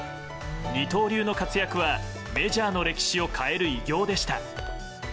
二刀流の活躍はメジャーの歴史を変える偉業でした。